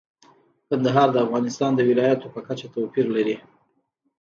کندهار د افغانستان د ولایاتو په کچه توپیر لري.